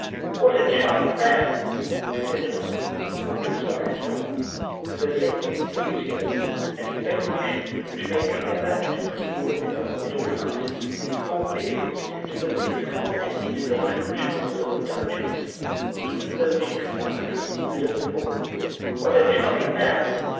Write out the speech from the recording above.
"What a charming man!" he said to us, after Swann had gone, with the same enthusiasm and veneration which make clever and pretty women of the middle classes fall victims to the physical and intellectual charms of a duchess, even though she be ugly and a fool. "What a charming man!